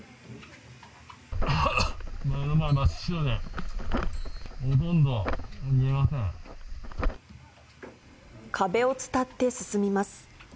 目の前、真っ白で、ほとんど壁を伝って進みます。